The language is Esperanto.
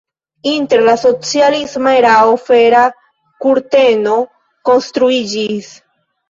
Inter la socialisma erao Fera kurteno konstruiĝis.